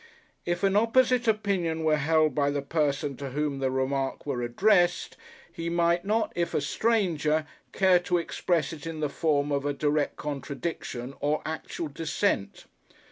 If an opposite opinion were held by the person to whom the remark were addressed, he might not, if a stranger, care to express it in the form of a direct contradiction, or actual dissent.